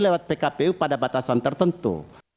lewat pkpu pada batasan tertentu